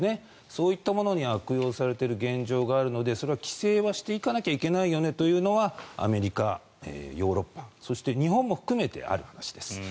そういったものに悪用されている現状があるのでそれは規制はしていかなきゃいけないよねというのはアメリカ、ヨーロッパそして日本も含めてある話です。